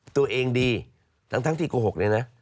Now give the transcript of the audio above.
ตัวเองดีทั้งที่โกหกเลยนะ